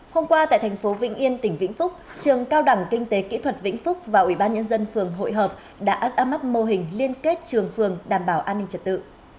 hôm qua tại thành phố vĩnh yên tỉnh vĩnh phúc trường cao đẳng kinh tế kỹ thuật vĩnh phúc và ủy ban nhân dân phường hội hợp đã ra mắt mô hình liên kết trường phường đảm bảo an ninh trật tự